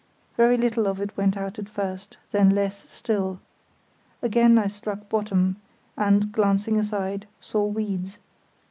Very little of it went out at first, then less still. Again I struck bottom, and, glancing aside, saw weeds.